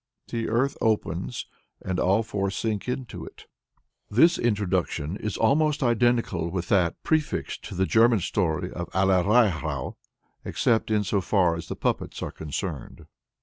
The earth opens, and all four sink into it. This introduction is almost identical with that prefixed to the German story of "Allerleirauh," except in so far as the puppets are concerned.